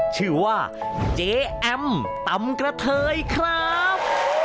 ชื่อว่าเจ๊แอมตำกระเทยครับ